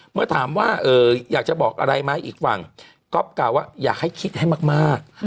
เมื่อถามว่าอยากจะบอกอะไรไหมอีกฝั่งก๊อฟกล่าวว่าอยากให้คิดให้มาก